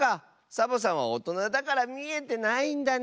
サボさんはおとなだからみえてないんだね。